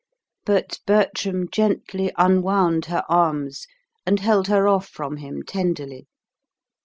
But Bertram gently unwound her arms and held her off from him tenderly.